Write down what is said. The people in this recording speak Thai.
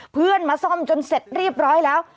เพื่อนมาซ่อมจนเสร็จเรียบร้อยแล้ว